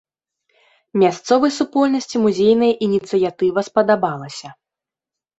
Мясцовай супольнасці музейная ініцыятыва спадабалася.